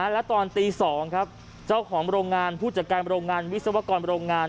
และตอนตี๒ครับเจ้าของโรงงานผู้จัดการโรงงานวิศวกรโรงงาน